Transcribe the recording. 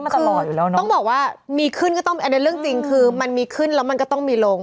คือต้องบอกว่ามีขึ้นก็ต้องในเรื่องจริงคือมันมีขึ้นแล้วมันก็ต้องมีลง